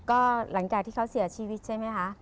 ก็หลังจากที่เขาเสียชีวิตใช่ไหมคะ